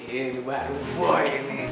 ini baru boy